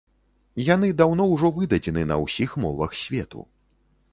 Яны даўно ўжо выдадзены на усіх мовах свету.